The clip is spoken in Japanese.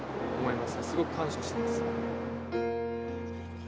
すごく感謝してます。